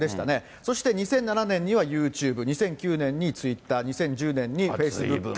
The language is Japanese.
そして２００７年にはユーチューブ、２００９年にツイッター、２０１０年にフェイスブック。